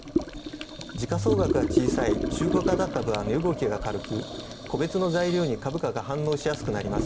時価総額が小さい値動きが軽く、個別の材料に株価が反応しやすくなります。